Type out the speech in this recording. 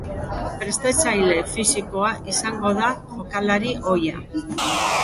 Prestatzaile fisikoa izango da jokalari ohia.